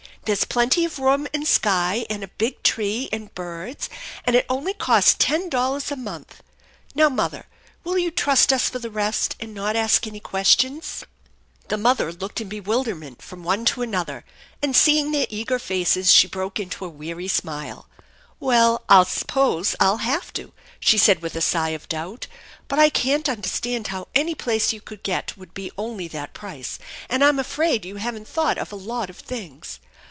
There's plenty of room, and sky, and a big tree, and birds; and it only costs ten dollars a month. Now, mother, will you trust us for the rest and not ask any questions ?" THE ENCHANTED BARN The mother looked in bewilderment from one to another, and, seeing their eager faces, she broke into a weary smile, "Well, I suppose I'll have to," she said with a sigh of doubt ;" but I can't understand how any place you could get would be only that price, and I'm afraid you haven't thought of a lot of things."